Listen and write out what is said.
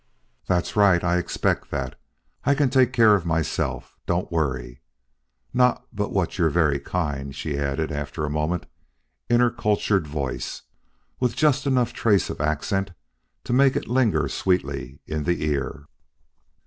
"That's right; I expect that. I can take care of myself don't worry. Not but what you're very kind," she added after a moment, in her cultured voice, with just enough trace of accent to make it linger sweetly in the ear.